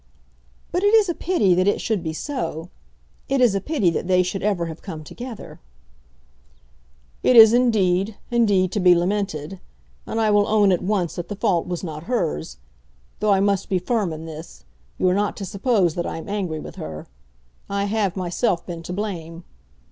"But it is a pity that it should be so. It is a pity that they should ever have come together." "It is indeed, indeed to be lamented, and I will own at once that the fault was not hers. Though I must be firm in this, you are not to suppose that I am angry with her. I have myself been to blame."